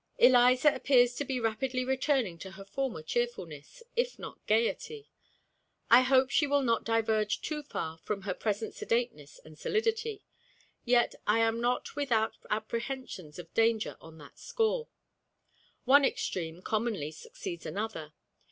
Eliza appears to be rapidly returning to her former cheerfulness if not gayety. I hope she will not diverge too far from her present sedateness and solidity; yet I am not without apprehensions of danger on that score. One extreme commonly succeeds another.